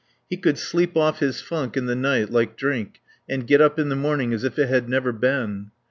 He could sleep off his funk in the night, like drink, and get up in the morning as if it had never been.